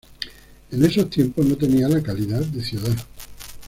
En esos tiempos no tenía la calidad de ciudad.